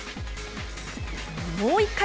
もう一回。